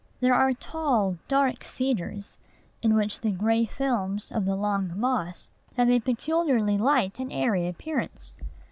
There are tall, dark cedars, in which the gray films of the long moss have a peculiarly light and airy appearance.